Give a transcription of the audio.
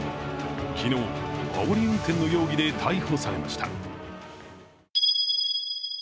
昨日、あおり運転の容疑で逮捕されました。